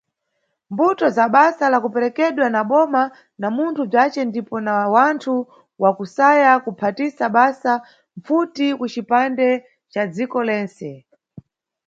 Mbuto za basa la kuperekedwa na boma, na munthu bzace ndipo na wanthu wakusaya kuphatisa basa mpfuti kucipande ca dziko lentse.